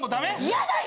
嫌だよ！